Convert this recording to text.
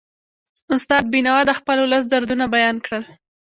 استاد بینوا د خپل ولس دردونه بیان کړل.